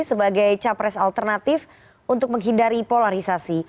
sebagai capres alternatif untuk menghindari polarisasi